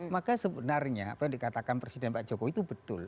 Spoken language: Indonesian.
maka sebenarnya apa yang dikatakan presiden pak jokowi itu betul